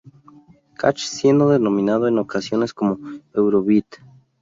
Catch siendo denominado en ocasiones como Eurobeat.